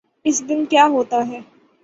اس دن کیا ہوتاہے۔